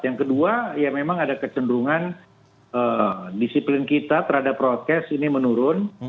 yang kedua ya memang ada kecenderungan disiplin kita terhadap prokes ini menurun